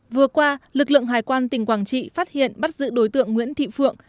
vừa qua lực lượng hải quan tỉnh quảng trị phát hiện bắt giữ đối tượng nguyễn thị phượng